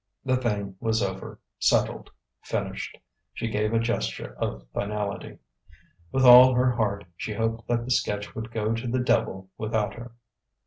The thing was over settled finished. She gave a gesture of finality. With all her heart she hoped that the sketch would go to the devil without her....